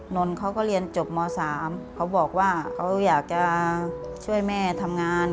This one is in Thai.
นนท์เขาก็เรียนจบม๓เขาบอกว่าเขาอยากจะช่วยแม่ทำงาน